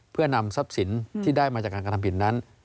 เพื่อนำทรัพย์สินที่ได้มาจากการกระทำผิดนั้น